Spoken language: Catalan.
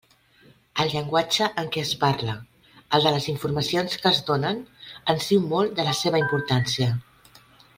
El llenguatge en què es parla, el de les informacions que es donen, ens diu molt de la seva importància.